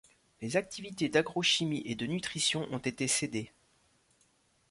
Les activités d'agrochimie et de nutrition ont été cédées.